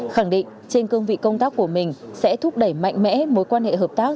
khẳng định trên cương vị công tác của mình sẽ thúc đẩy mạnh mẽ mối quan hệ hợp tác